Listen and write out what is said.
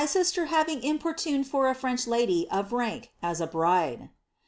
Leicester having importuned for a French lady of rink as a bride.